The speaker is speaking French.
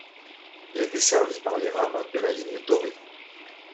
Elle est desservie par les rames de la ligne dorée.